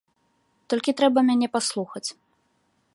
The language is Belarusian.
Толькі трэба мяне паслухаць.